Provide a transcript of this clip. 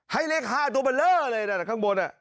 ให้เลข๕ตัวเบลอเลยนะข้างบน